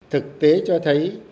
thực tế cho thấy